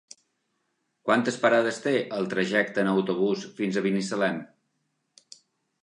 Quantes parades té el trajecte en autobús fins a Binissalem?